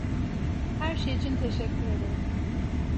Her şey için teşekkür ederim.